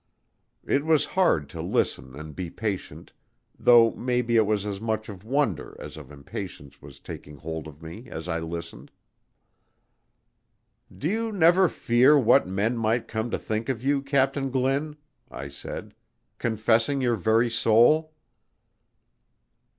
It was hard to listen and be patient, though maybe it was as much of wonder as of impatience was taking hold of me as I listened. "Do you never fear what men might come to think of you, Captain Glynn," I said, "confessing your very soul?"